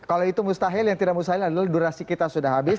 kalau itu mustahil yang tidak mustahil adalah durasi kita sudah habis